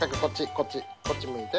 こっちこっち向いて。